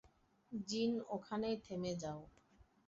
জিন, ওখানেই থেমে যাও।